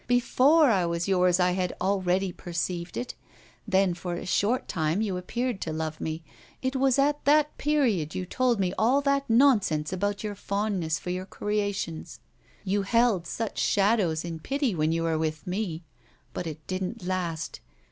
Before I was yours I had already perceived it. Then, for a short time you appeared to love me. It was at that period you told me all that nonsense about your fondness for your creations. You held such shadows in pity when you were with me; but it didn't last.